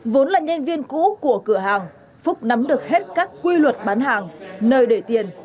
vốn là nhân viên cũ của cửa hàng phúc nắm được hết các quy luật bán hàng nơi để tiền